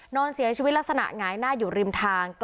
นอนเสียชีวิตลักษณะหงายหน้าอยู่ริมทาง